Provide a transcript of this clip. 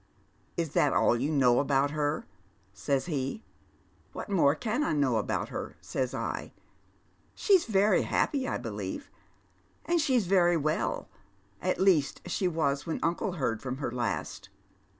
'Is that all you know about herV eays he. ' Wiiat more can I know about her ?' says I. ' She's veiy happy, I believe, and she's very well, — at least, she was when uncle heard from her last.'